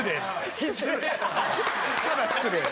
ただ失礼。